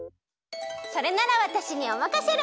それならわたしにおまかシェル！